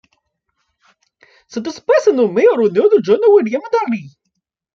Cette espèce est nommée en l'honneur de John William Daly.